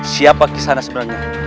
siapa kisana sebenarnya